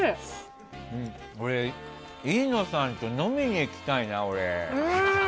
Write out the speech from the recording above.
飯野さんと飲みに行きたいな、俺。